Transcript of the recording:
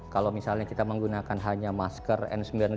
kalau misalnya kita menggunakan hanya masker n sembilan puluh lima